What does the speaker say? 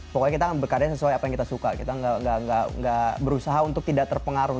pokoknya kita berkarya sesuai apa yang kita suka kita gak berusaha untuk tidak terpengaruh